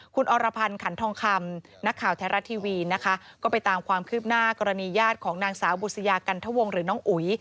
คุณอรพันธ์ขันทองคำนักข่าวไทยรัฐทีวีนะคะก็ไปตามความคืบหน้ากรณีญาติของนางสาวบุษยากันทวงหรือน้องอุ๋ย